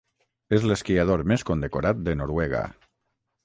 És l'esquiador més condecorat de Noruega.